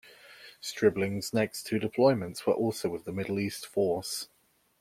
"Stribling"'s next two deployments were also with the Middle East Force.